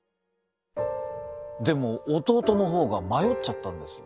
でも弟の方が迷っちゃったんです。